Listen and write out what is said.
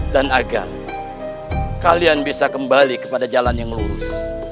dan agar kalian bisa kembali kepada jalan yang lurus